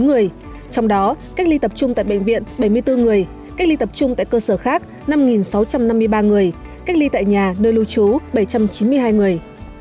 trong đó cách ly tập trung tại bệnh viện bảy mươi bốn người cách ly tập trung tại cơ sở khác năm sáu trăm năm mươi ba người cách ly tại nhà nơi lưu trú bảy trăm chín mươi hai người